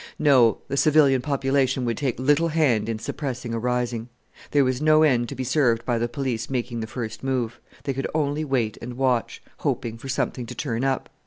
No, the civilian population would take little hand in suppressing a rising. There was no end to be served by the Police making the first move; they could only wait and watch, hoping for something to turn up.